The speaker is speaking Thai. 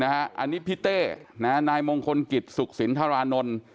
อันนี้พี่เต้นายมงคลกิจสุขสินทรานนท์